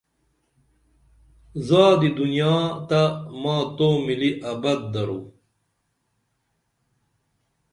زادی دنیا تہ ما تومِلی ابت درو